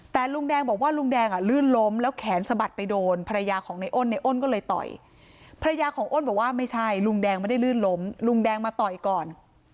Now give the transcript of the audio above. แต่ลุงแดงบอกว่าลุงแดงอ่ะลื่นล้มแล้วแขนสะบัดไปโดนภรรยาของในอ้นในอ้นก็เลยต่อยภรรยาของอ้นบอกว่าไม่ใช่ลุงแดงไม่ได้ลื่นล้มลุงแดงมาต่อยก่อน